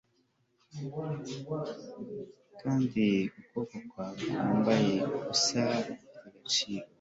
kandi ukuboko kwe kwambaye ubusa bifite agaciro